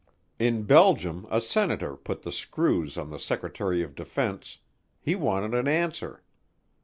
In Belgium a senator put the screws on the Secretary of Defense he wanted an answer.